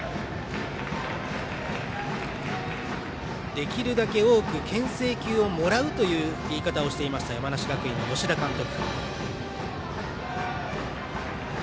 できるだけ多くけん制球をもらうという言い方をしていました山梨学院の吉田監督。